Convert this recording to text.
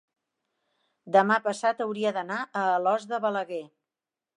demà passat hauria d'anar a Alòs de Balaguer.